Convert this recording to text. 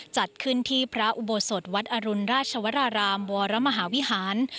จัดขึ้นที่พระอุโบสถวัดอรุณราชวรารามวรมหาวิหาร